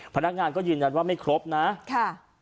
พนักงานก็ยืนยันว่าไม่ครบนะค่ะ